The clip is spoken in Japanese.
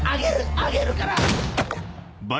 あげるから。